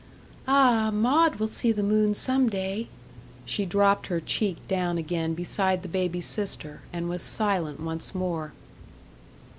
"Ah, Maud will see the moon some day." She dropped her cheek down again beside the baby sister, and was silent once more.